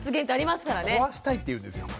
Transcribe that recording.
壊したいって言うんですよ。